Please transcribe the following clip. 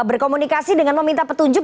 berkomunikasi dengan meminta petunjuk